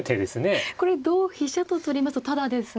これ同飛車と取りますとタダですが。